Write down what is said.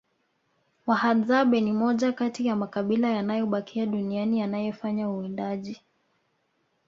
wahadzabe ni moja Kati ya makabila yaliyobakia duniani yanayofanya uwindaji